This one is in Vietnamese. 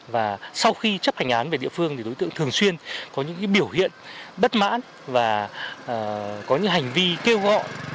và sau khi chấp hành án về địa phương thì đối tượng thường xuyên có những biểu hiện bất mãn và có những hành vi kêu gọi